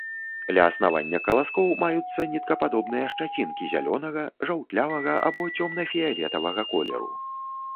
Ля аснавання каласкоў маюцца ніткападобныя шчацінкі зялёнага, жаўтлявага або цёмна-фіялетавага колеру.